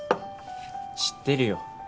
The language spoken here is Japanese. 知ってるよ。